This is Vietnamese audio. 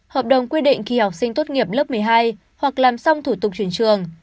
hợp đồng quy định khi học sinh tốt nghiệp lớp một mươi hai hoặc làm xong thủ tục chuyển trường